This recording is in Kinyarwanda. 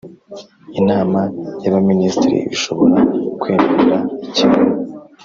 Inama y Abaminisitiri ishobora kwemerera ikigo